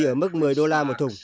ở mức một mươi đô la một thùng